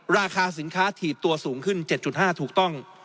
ราคาสินค้าถีบตัวสูงขึ้น๗๕ถูกต้อง